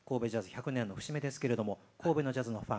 １００年の節目ですけれども神戸のジャズのファン